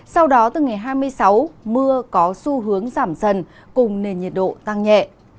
sau đó từ ngày hai mươi sáu mưa có xu hướng giảm dần cùng nền nhiệt độ tăng nhẹ